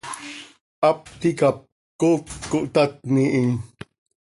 Hap ticap cooc cohtatni hi.